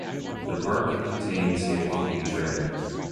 The park contains a walking trail.